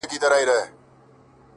خوني خنجر نه دى چي څوك يې پـټ كــړي؛